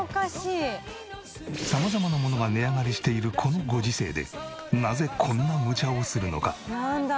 様々なものが値上がりしているこのご時世でなぜこんなむちゃをするのか？